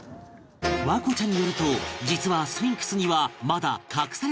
環子ちゃんによると実はスフィンクスにはまだ隠されたミステリーが